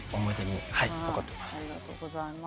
ありがとうございます。